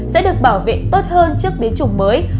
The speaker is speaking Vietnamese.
sẽ được bảo vệ tốt hơn trước biến chủng mới